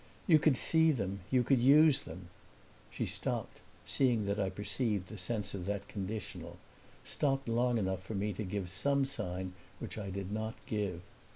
"You could see them you could use them." She stopped, seeing that I perceived the sense of that conditional stopped long enough for me to give some sign which I did not give.